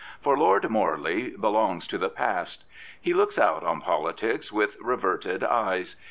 For Lord Morley belongs to the past. He looks out on politics with reverted eyes.